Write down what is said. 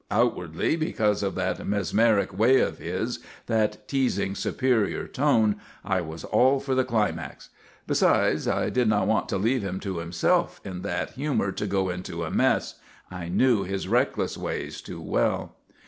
Outwardly, because of that mesmeric way of his, that teasing, superior tone, I was all for the climax. Besides, I did not want to leave him to himself in that humour to go into a mess; I knew his reckless ways too well.